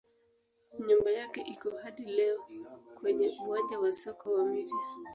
Nyumba yake iko hadi leo kwenye uwanja wa soko wa mji.